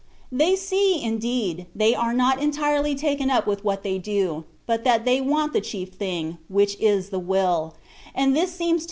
They see, indeed, they are not entirely taken up with what they do; but that they want the chief thing, which is the will; and this se^ma to 152 THE WAT OF PERFECTION.